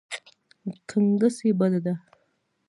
ګنګسي بده ده.